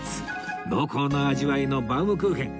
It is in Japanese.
濃厚な味わいのバウムクーヘン